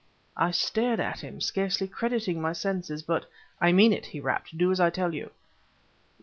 I stared at him, scarce crediting my senses; but "I mean it!" he rapped. "Do as I tell you."